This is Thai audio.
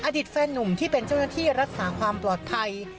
อดีตแฟนนุ่มที่เป็นเจ้าหน้าที่รักษาความปลอดภัย